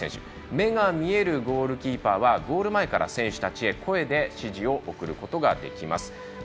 目が見えるゴールキーパーはゴール前から選手に声で指示を送ることができます。